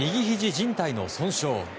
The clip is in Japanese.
じん帯の損傷。